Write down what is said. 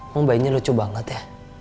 emang bayinya lucu banget ya